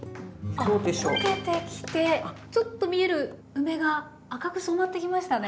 あっ溶けてきてちょっと見える梅が赤く染まってきましたね。